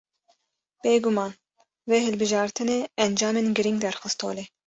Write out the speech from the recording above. Bê guman vê hilbijartinê, encamên girîng derxist holê